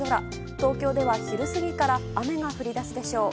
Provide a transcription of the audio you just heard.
東京では昼過ぎから雨が降り出すでしょう。